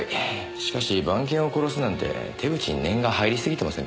しかし番犬を殺すなんて手口に念が入りすぎてませんか？